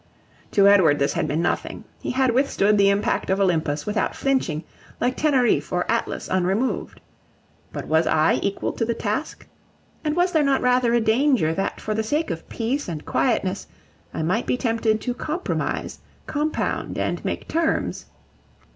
To Edward this had been nothing; he had withstood the impact of Olympus without flinching, like Teneriffe or Atlas unremoved. But was I equal to the task? And was there not rather a danger that for the sake of peace and quietness I might be tempted to compromise, compound, and make terms?